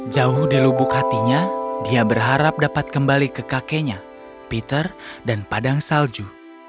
jauh dilubuk hatinya dia berharap dapat kembali ke kakenya peter dan padang salju